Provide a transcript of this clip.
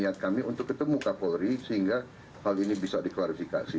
niat kami untuk ketemu kapolri sehingga hal ini bisa diklarifikasi